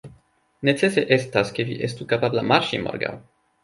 Necese estas, ke vi estu kapabla marŝi morgaŭ.